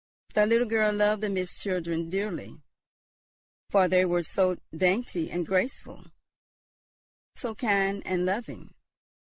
The little girl loved the Mist children dearly, for they were so dainty and graceful, so kind and loving.